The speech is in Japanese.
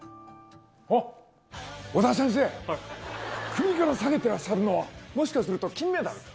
あっ、織田先生、首から提げてらっしゃるのは、もしかすると金メダル？